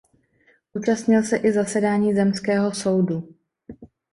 Účastnil se i zasedání zemského soudu.